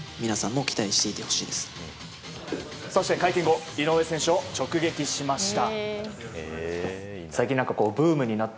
そして、会見後井上選手を直撃しました。